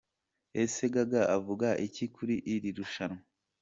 Ese Gaga avuga iki kuri iri rushanwa?.